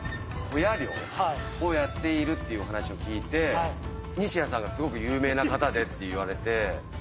ホヤ漁をやっているというお話を聞いて西谷さんがすごく有名な方でって言われて。